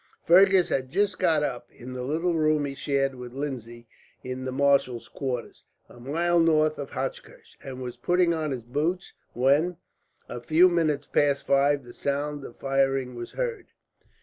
Fergus had just got up, in the little room he shared with Lindsay in the marshal's quarters, a mile north of Hochkirch; and was putting on his boots when, a few minutes past five, the sound of firing was heard.